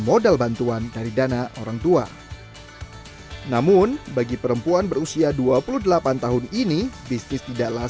modal bantuan dari dana orang tua namun bagi perempuan berusia dua puluh delapan tahun ini bisnis tidaklah